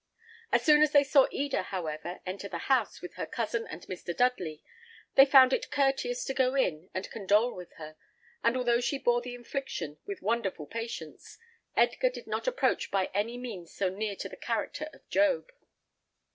As soon as they saw Eda, however, enter the house with her cousin and Mr. Dudley, they found it courteous to go in and condole with her; and although she bore the infliction with wonderful patience, Edgar did not approach by any means so near to the character of Job.